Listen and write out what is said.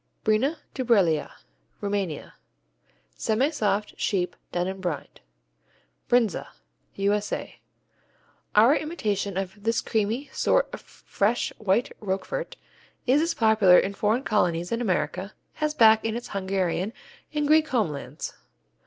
Brina Dubreala Rumania Semisoft, sheep, done in brine. Brindza U.S.A. Our imitation of this creamy sort of fresh, white Roquefort is as popular in foreign colonies in America as back in its Hungarian and Greek homelands.